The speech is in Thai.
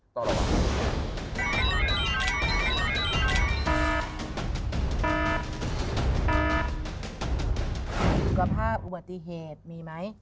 สุขภาพอุบัติเหตุมีไหม